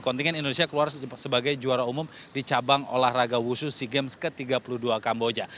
kontingen indonesia keluar sebagai juara umum di cabang olahraga wusu sea games ke tiga puluh dua kamboja